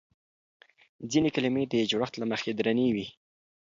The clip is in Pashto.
ځينې کلمې د جوړښت له مخې درنې وي.